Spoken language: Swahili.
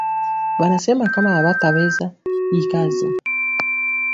Bana sema kama abata weza iyi kazi